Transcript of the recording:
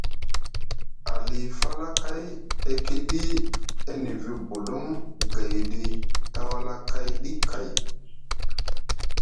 Ali falakay e kiɗi e nivi bulum gayɗi tawalakayɗi kay.